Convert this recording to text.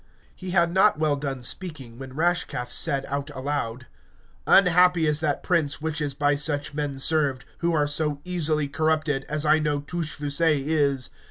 He had not well done speaking when Rashcalf said out aloud, Unhappy is that prince which is by such men served, who are so easily corrupted, as I know Touchfaucet is.